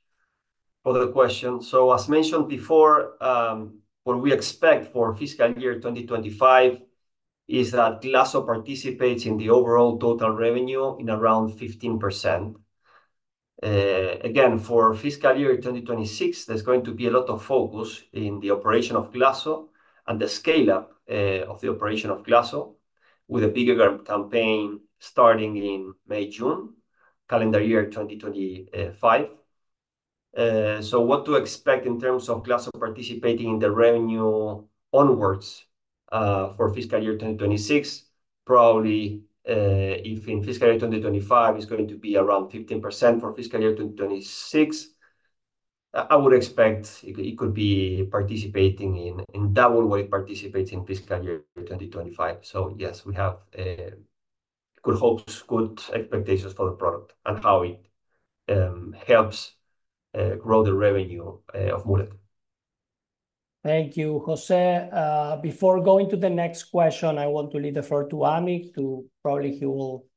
for the question. So as mentioned before, what we expect for fiscal year 2025 is that GLASO participates in the overall total revenue in around 15%. Again, for fiscal year 2026, there's going to be a lot of focus in the operation of GLASO and the scale-up of the operation of GLASO, with a bigger campaign starting in May, June, calendar year 2025. So what to expect in terms of GLASO participating in the revenue onwards for fiscal year 2026? Probably, if in fiscal year 2025, it's going to be around 15%, for fiscal year 2026, I would expect it, it could be participating in, in double way it participates in fiscal year 2025. So yes, we have good hopes, good expectations for the product and how it helps grow the revenue of Moolec. Thank you, José. Before going to the next question, I want to leave the floor to Amit to... Probably he will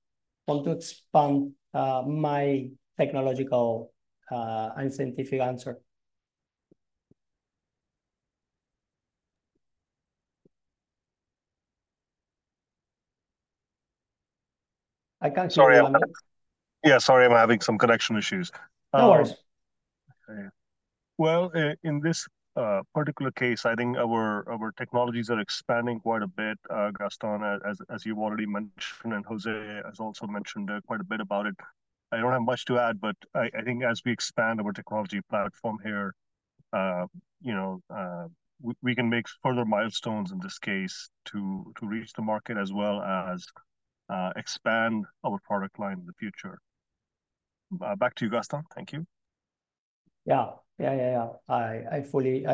want to expand my technological and scientific answer. I can't hear you, Amit. Sorry, yeah, sorry, I'm having some connection issues. No worries. Okay. Well, in this particular case, I think our technologies are expanding quite a bit, Gastón, as you've already mentioned, and José has also mentioned quite a bit about it. I don't have much to add, but I think as we expand our technology platform here, you know, we can make further milestones in this case to reach the market as well as expand our product line in the future. Back to you, Gastón. Thank you. Yeah. Yeah, yeah, yeah. I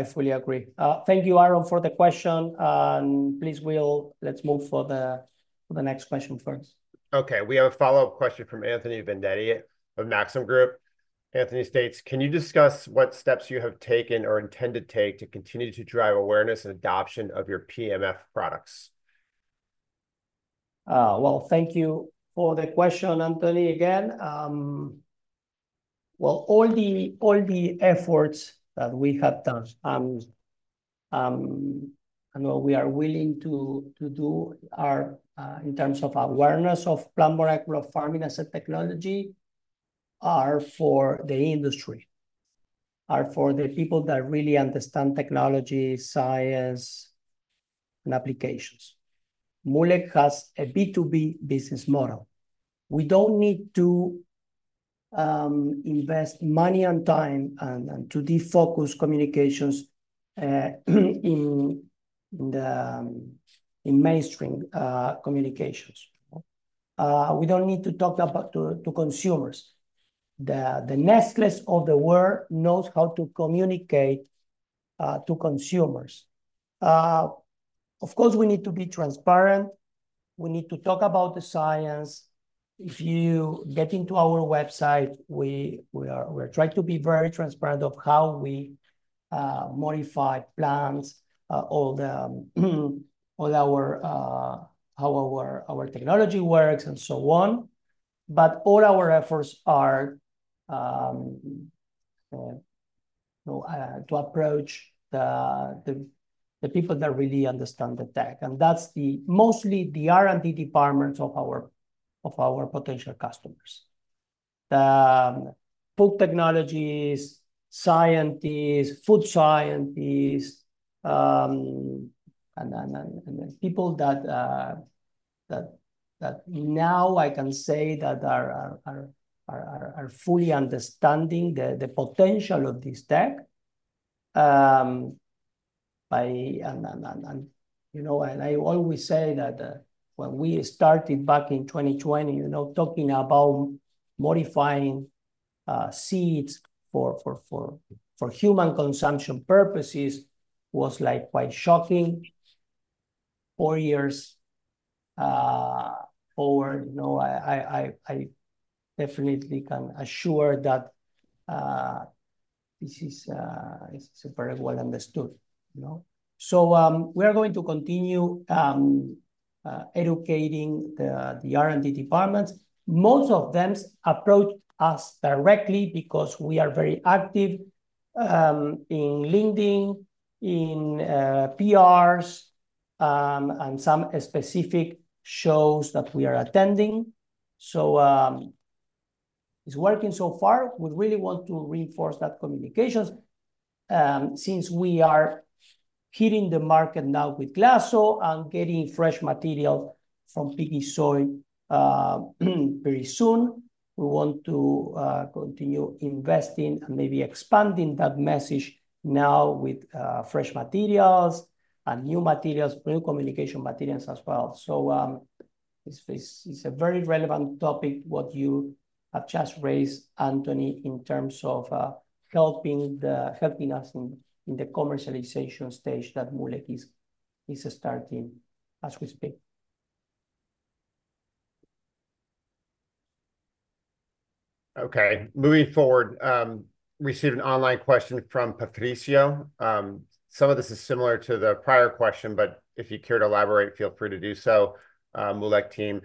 fully agree. Thank you, Arun, for the question, and please, Bill, let's move for the next question for us. Okay, we have a follow-up question from Anthony Vendetti of Maxim Group. Anthony states: "Can you discuss what steps you have taken or intend to take to continue to drive awareness and adoption of your PMF products? Well, thank you for the question, Anthony. Again, well, all the efforts that we have done, and what we are willing to do are in terms of awareness of plant molecular farming as a technology, are for the industry, are for the people that really understand technology, science, and applications. Moolec has a B2B business model. We don't need to invest money and time and to defocus communications in mainstream communications. We don't need to talk about to consumers. The Nestlé of the world knows how to communicate to consumers. Of course, we need to be transparent. We need to talk about the science. If you get into our website, we are we try to be very transparent of how we modify plants, all the all our how our our technology works, and so on. But all our efforts are you know to approach the people that really understand the tech, and that's mostly the R&D departments of our of our potential customers. Food technologists, scientists, food scientists, and people that that now I can say that are fully understanding the potential of this tech. And you know, and I always say that when we started back in 2020, you know, talking about modifying seeds for human consumption purposes was like quite shocking. Four years forward, you know, I definitely can assure that this is very well understood, you know? So, we are going to continue educating the R&D departments. Most of them approached us directly because we are very active in LinkedIn, in PRs, and some specific shows that we are attending. So, it's working so far. We really want to reinforce that communications since we are hitting the market now with GLASO and getting fresh material from PiggySooy very soon. We want to continue investing and maybe expanding that message now with fresh materials and new materials, new communication materials as well. It's a very relevant topic what you have just raised, Anthony, in terms of helping us in the commercialization stage that Moolec is starting as we speak. Okay, moving forward, received an online question from Patricio. Some of this is similar to the prior question, but if you care to elaborate, feel free to do so, Moolec team.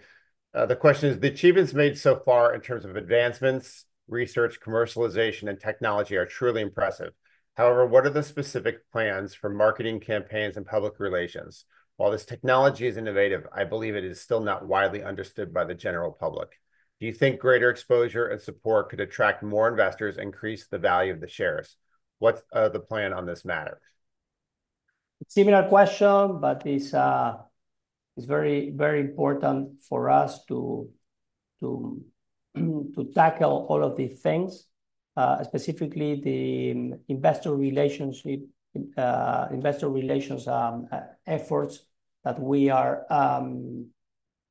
The question is: "The achievements made so far in terms of advancements, research, commercialization, and technology are truly impressive. However, what are the specific plans for marketing campaigns and public relations? While this technology is innovative, I believe it is still not widely understood by the general public. Do you think greater exposure and support could attract more investors, increase the value of the shares? What's the plan on this matter? Similar question, but it's very, very important for us to tackle all of these things, specifically the investor relations efforts that we are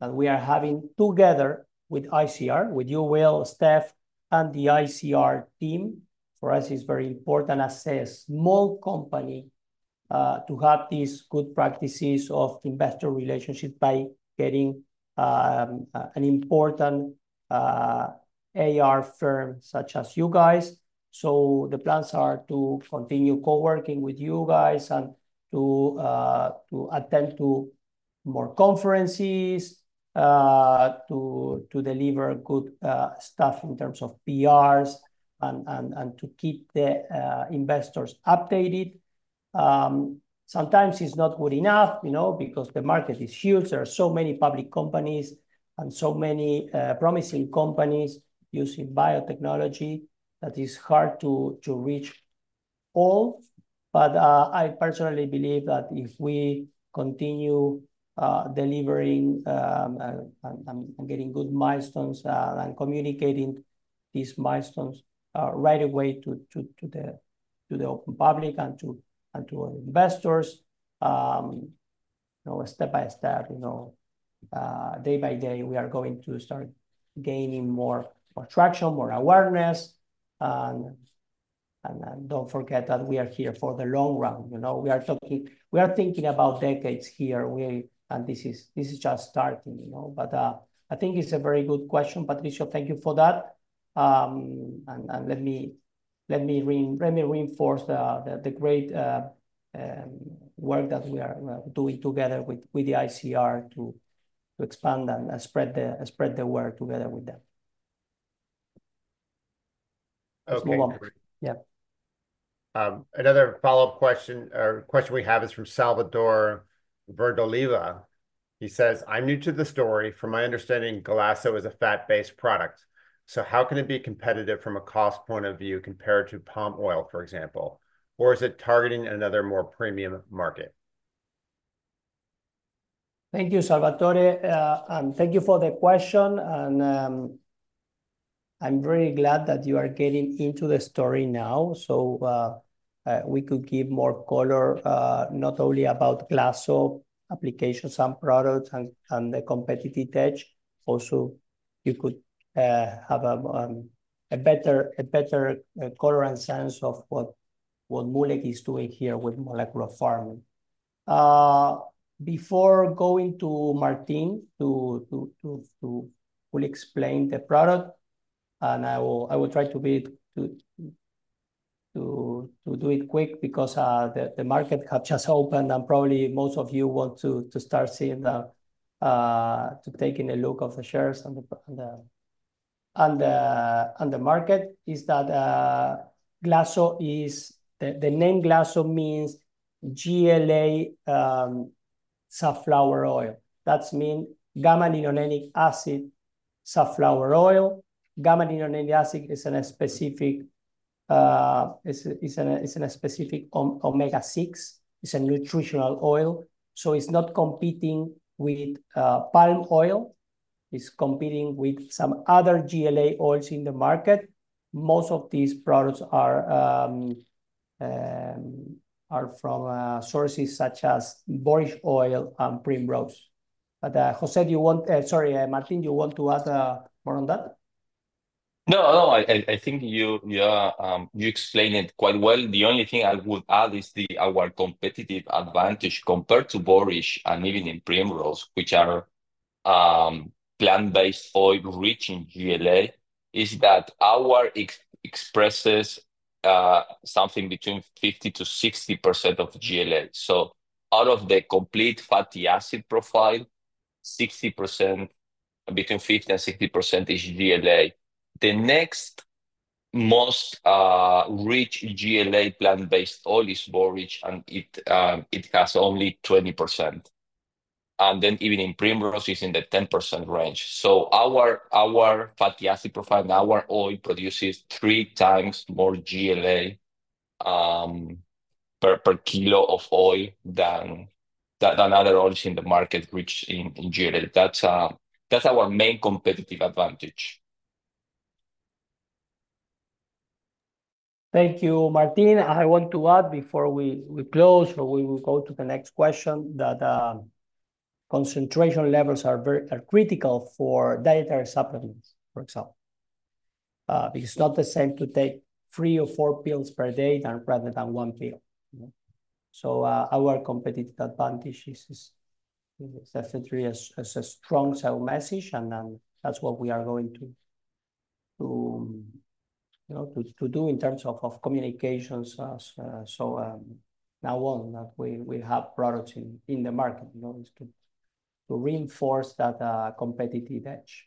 having together with ICR, with you, Bill, Steph, and the ICR team. For us, it's very important as a small company to have these good practices of investor relations by getting an important IR firm such as you guys. So the plans are to continue co-working with you guys and to attend to more conferences, to deliver good stuff in terms of PRs and to keep the investors updated. Sometimes it's not good enough, you know, because the market is huge. There are so many public companies and so many promising companies using biotechnology that it is hard to reach all. But I personally believe that if we continue delivering and getting good milestones and communicating these milestones right away to the open public and to investors, you know, step by step, you know, day by day, we are going to start gaining more traction, more awareness. Don't forget that we are here for the long run. You know, we are talking. We are thinking about decades here. This is just starting, you know? But I think it's a very good question, Patricio. Thank you for that. And let me reinforce the great work that we are doing together with the ICR to expand and spread the word together with them. Okay. Small one. Yeah. Another follow-up question or question we have is from Salvador Verdoliva. He says, "I'm new to the story. From my understanding, GLASO is a fat-based product. So how can it be competitive from a cost point of view compared to palm oil, for example? Or is it targeting another more premium market? Thank you, Salvador, and thank you for the question. And, I'm very glad that you are getting into the story now. So, we could give more color, not only about GLASO applications and products and the competitive edge. Also, you could have a better color and sense of what Moolec is doing here with molecular farming. Before going to Martín who Will explain the product, and I will try to do it quick because the market has just opened, and probably most of you want to start seeing the to taking a look of the shares and the on the market is that GLASO is the name GLASO means GLA safflower oil. That means gamma-linolenic acid safflower oil. Gamma-linolenic acid is a specific omega-6. It's a nutritional oil, so it's not competing with palm oil. It's competing with some other GLA oils in the market. Most of these products are from sources such as borage oil and primrose. But, José, do you want... Sorry, Martin, do you want to add more on that? No, no, I think you, yeah, you explained it quite well. The only thing I would add is our competitive advantage compared to borage and evening primrose, which are plant-based oils rich in GLA, is that our expresses something between 50-60% of GLA. So out of the complete fatty acid profile, 60%, between 50% and 60% is GLA. The next most rich GLA plant-based oil is borage, and it has only 20%, and then evening primrose is in the 10% range. So our fatty acid profile, our oil produces three times more GLA per kilo of oil than other oils in the market, which in GLA. That's our main competitive advantage. Thank you, Martín. I want to add before we close, but we will go to the next question, that concentration levels are very critical for dietary supplements, for example. It's not the same to take three or four pills per day than rather than one pill, you know? So, our competitive advantage is definitely a strong sell message, and that's what we are going to, you know, do in terms of communications and so now that we have products in the market, you know, is to reinforce that competitive edge.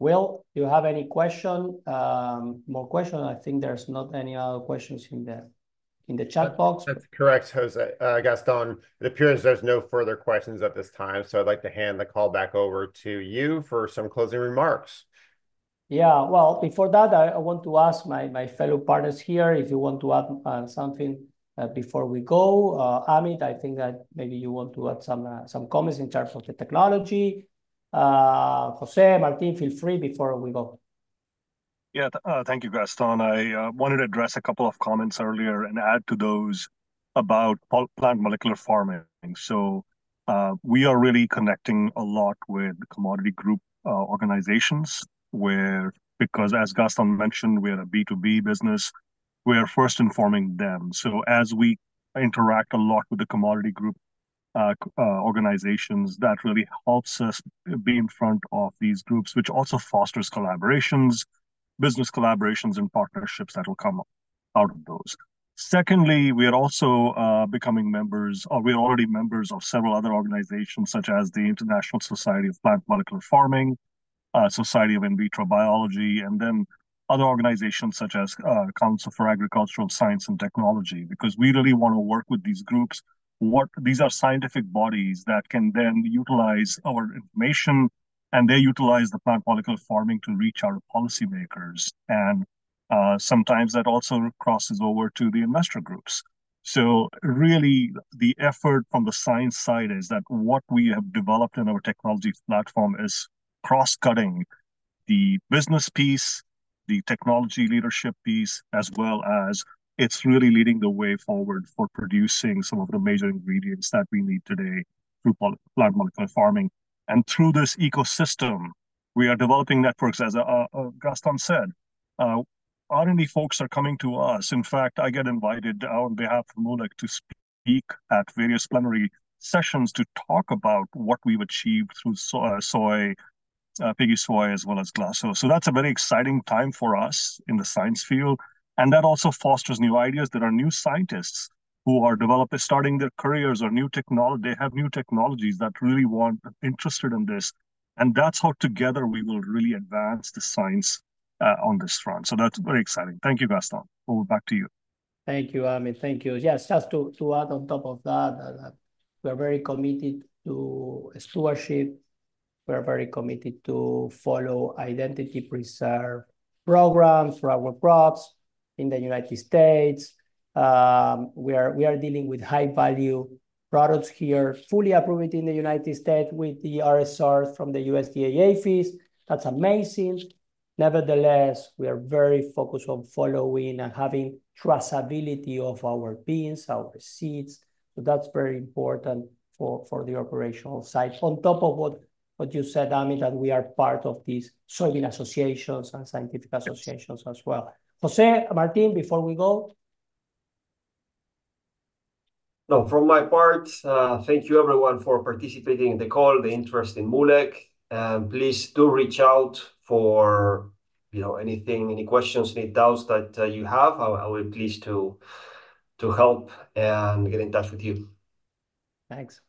Do you have any more questions? I think there's not any other questions in the chat box. That's correct, José. Gastón, it appears there's no further questions at this time, so I'd like to hand the call back over to you for some closing remarks. Yeah. Well, before that, I want to ask my fellow partners here if you want to add something before we go. Amit, I think that maybe you want to add some comments in terms of the technology. José, Martín, feel free before we go. Yeah, thank you, Gastón. I wanted to address a couple of comments earlier and add to those about plant molecular farming. So, we are really connecting a lot with the commodity group organizations, where, because, as Gastón mentioned, we are a B2B business, we are first informing them. So as we interact a lot with the commodity group organizations, that really helps us be in front of these groups, which also fosters collaborations, business collaborations and partnerships that will come out of those. Secondly, we are also becoming members, or we are already members of several other organizations, such as the International Society for Plant Molecular Farming, Society for In Vitro Biology, and then other organizations such as, Council for Agricultural Science and Technology, because we really want to work with these groups. These are scientific bodies that can then utilize our information, and they utilize the plant molecular farming to reach our policymakers, and sometimes that also crosses over to the investor groups. So really, the effort on the science side is that what we have developed in our technology platform is cross-cutting the business piece, the technology leadership piece, as well as it's really leading the way forward for producing some of the major ingredients that we need today through plant molecular farming. And through this ecosystem, we are developing networks, as Gastón said. R&D folks are coming to us. In fact, I get invited on behalf of Moolec to speak at various plenary sessions to talk about what we've achieved through soy, PiggySooy, as well as GLASO. So that's a very exciting time for us in the science field, and that also fosters new ideas. There are new scientists who are developers starting their careers or they have new technologies that really weren't interested in this, and that's how together we will really advance the science on this front. So that's very exciting. Thank you, Gastón. Over, back to you. Thank you, Amit. Thank you. Yes, just to add on top of that, we're very committed to stewardship. We're very committed to follow identity preserved programs for our crops in the United States. We are dealing with high-value products here, fully approved in the United States with the RSRs from the USDA APHIS. That's amazing. Nevertheless, we are very focused on following and having traceability of our beans, our seeds, so that's very important for the operational side. On top of what you said, Amit, that we are part of these soybean associations and scientific associations as well. José, Martín, before we go? From my part, thank you everyone for participating in the call and the interest in Moolec. And please do reach out for, you know, anything, any questions, any doubts that you have. I will be pleased to help and get in touch with you. Thanks.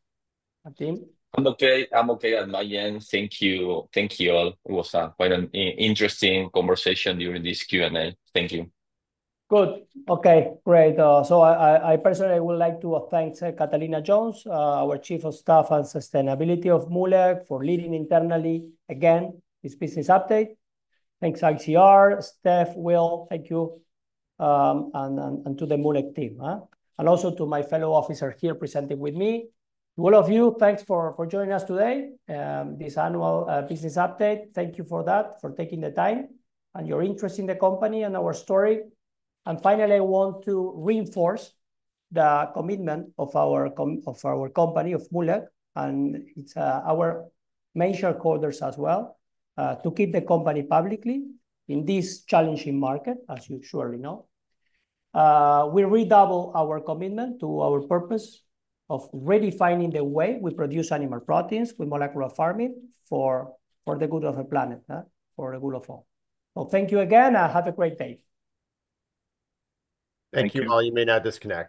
Martin? I'm okay. I'm okay at my end. Thank you. Thank you all. It was quite an interesting conversation during this Q&A. Thank you. Good. Okay, great. So I personally would like to thank Catalina Jones, our Chief of Staff and Sustainability of Moolec, for leading internally, again, this business update. Thanks, ICR, Steph, Will, thank you, and to the Moolec team, and also to my fellow officer here presenting with me. To all of you, thanks for joining us today, this annual business update. Thank you for that, for taking the time and your interest in the company and our story. And finally, I want to reinforce the commitment of our company, of Moolec, and its main shareholders as well, to keep the company publicly in this challenging market, as you surely know. We redouble our commitment to our purpose of redefining the way we produce animal proteins with molecular farming for the good of the planet, for the good of all. Thank you again, and have a great day. Thank you. All, you may now disconnect.